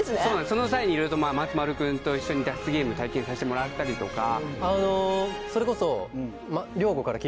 その際にいろいろと松丸君と一緒に脱出ゲーム体験させてもらったりとか。